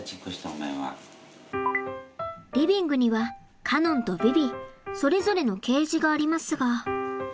リビングにはカノンとヴィヴィそれぞれのケージがありますが。